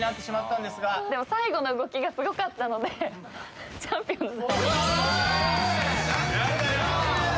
でも最後の動きがすごかったのでチャンピオンズ。